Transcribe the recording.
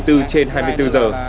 hai mươi bốn trên hai mươi bốn giờ